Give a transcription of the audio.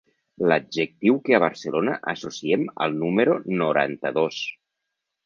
L'adjectiu que a Barcelona associem al número noranta-dos.